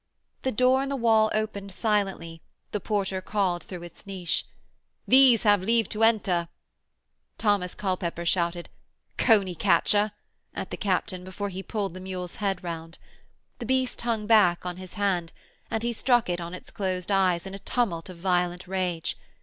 The door in the wall opened silently, the porter called through his niche: 'These have leave to enter.' Thomas Culpepper shouted 'Coneycatcher' at the captain before he pulled the mule's head round. The beast hung back on his hand, and he struck it on its closed eyes in a tumult of violent rage.